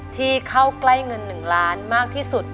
ที่เข้าใกล้เงิน๑ล้านมากที่สุด